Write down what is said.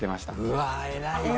うわあ偉いなあ。